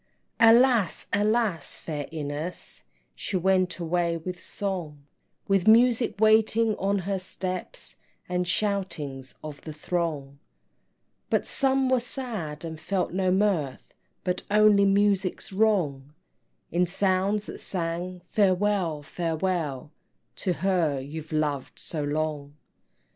Alas, alas, fair Ines, She went away with song, With Music waiting on her steps, And shoutings of the throng; But some were sad, and felt no mirth, But only Musics wrong, In sounds that sang Farewell, Farewell, To her you've loved so long.